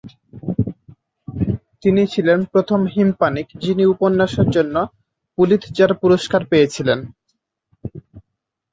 তিনি ছিলেন প্রথম হিস্পানিক যিনি উপন্যাসের জন্য পুলিৎজার পুরস্কার পেয়েছিলেন।